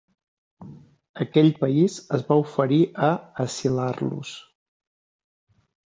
Aquell país es va oferir a asilar-los.